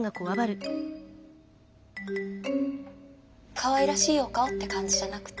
かわいらしいお顔って感じじゃなくて。